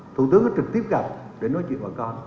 thủ tướng có trực tiếp gặp để nói chuyện bà con